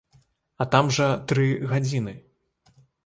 А там жа тры гадзіны.